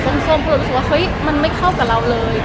เพราะรู้สึกว่าเฮ้ยมันไม่เข้ากับเราเลย